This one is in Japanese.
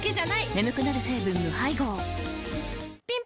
眠くなる成分無配合ぴん